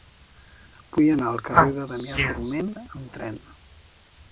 Vull anar al carrer de Damià Forment amb tren.